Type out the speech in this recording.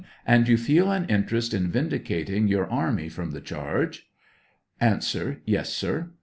And you feel an interest in vindicating your army from the charge ? A. Yes, sir.